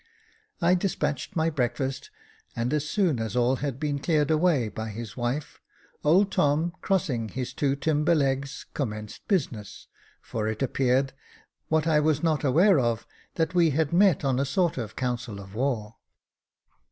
I despatched my breakfast, and as soon as all had been cleared away by his wife, old Tom, crossing his two timber legs, commenced business, for it appeared, what I was not aware of, that we had met on a sort of council of war.